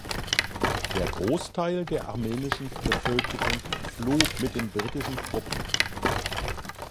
Der Großteil der armenischen Bevölkerung floh mit den britischen Truppen.